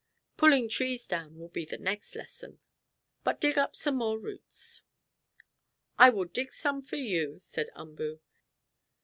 Pulling trees down will be the next lesson. But dig up some more roots." "I will dig some for you," said Umboo.